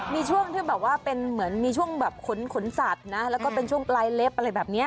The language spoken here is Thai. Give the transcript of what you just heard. มีช่วงที่แบบว่ามีช่วงคุ้นสัตและก็เป็นช่วงใบละลิปเรียบเนี่ย